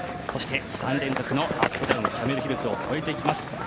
そして３連続のアップダウンキャメルヒルズを越えていきます。